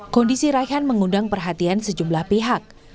kondisi raihan mengundang perhatian sejumlah pihak